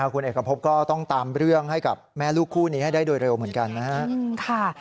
คุณเอกพบก็ต้องตามเรื่องให้กับแม่ลูกคู่นี้ให้ได้โดยเร็วเหมือนกันนะครับ